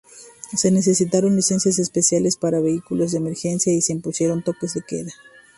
Se necesitaron licencias especiales para vehículos de emergencia y se impusieron toques de queda.